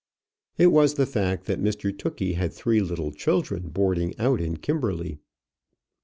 It was the fact that Mr Tookey had three little children boarding out in Kimberley.